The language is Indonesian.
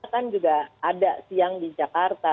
kan juga ada siang di jakarta